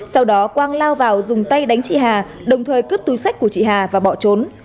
sau đó quang lao vào dùng tay đánh chị hà đồng thời cướp túi sách của chị hà và bỏ trốn